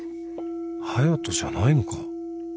隼斗じゃないのか？